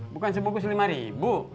bukan sebukus rp lima